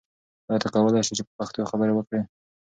ایا ته کولای شې چې په پښتو خبرې وکړې؟